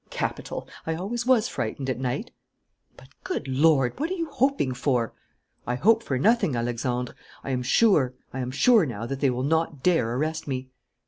"Capital. I always was frightened at night." "But, good Lord! what are you hoping for?" "I hope for nothing, Alexandre. I am sure. I am sure now that they will not dare arrest me."